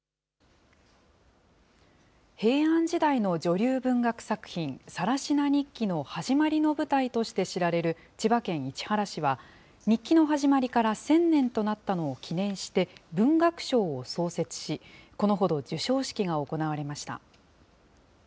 平安時代の女流文学作品、更級日記の始まりの舞台として知られる、千葉県市原市は、日記の始まりから１０００年となったのを記念して、文学賞を創設し、このほど授賞式が行われました。